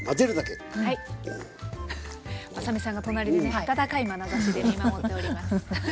まさみさんが隣でね温かいまなざしで見守っております。